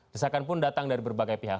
desakan pun datang dari berbagai pihak